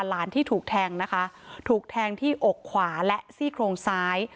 หลานที่ถูกแทงนะคะถูกแทงที่อกขวาและซี่โครงซ้าย